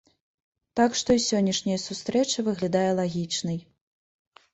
Так што і сённяшняя сустрэча выглядае лагічнай.